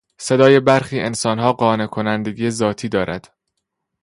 صدای برخی انسانها قانع کنندگی ذاتی دارد.